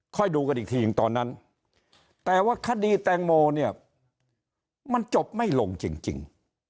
ดูกันอีกทีหนึ่งตอนนั้นแต่ว่าคดีแตงโมเนี่ยมันจบไม่ลงจริง